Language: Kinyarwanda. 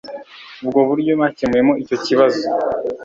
Ubwo buryo bakemuyemo icyo kibazo